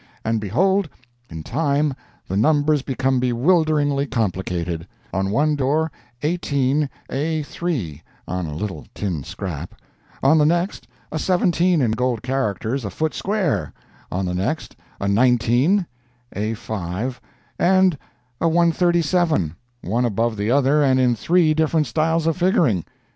And behold, in time the numbers become bewilderingly complicated: on one door 18 a3 on a little tin scrap, on the next a 17 in gold characters a foot square, on the next a 19, a5 and a 137, one above the other and in three different styles of figuring!